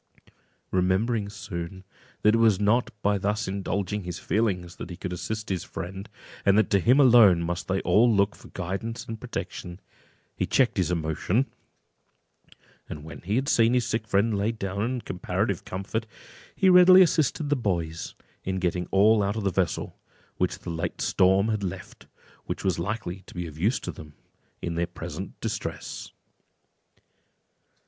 Remembering soon, that it was not by thus indulging his feelings that he could assist his friend, and that to him alone must they all look for guidance and protection, he checked his emotion; and when he had seen his sick friend laid down in comparative comfort, he readily assisted the boys in getting all out of the vessel which the late storm had left, which was likely to be of use to them in their present distress.